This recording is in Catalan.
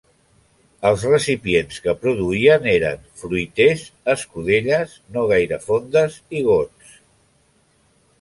Els recipients que produïen eren: fruiters, escudelles no gaire fondes i gots.